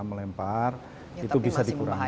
melempar itu bisa dikurangkan